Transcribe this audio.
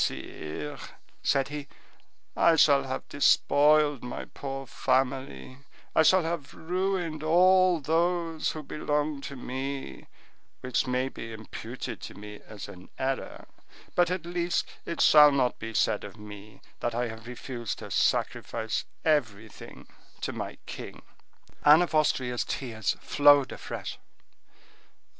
"Sire," said he, "I shall have despoiled my poor family; I shall have ruined all who belong to me, which may be imputed to me as an error; but, at least, it shall not be said of me that I have refused to sacrifice everything to my king." Anne of Austria's tears flowed afresh.